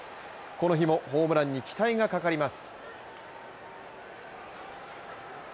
この日もホームランに期待がかかります。